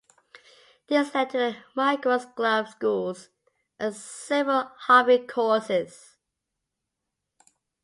This led to the Migros-club-schools and several hobby courses.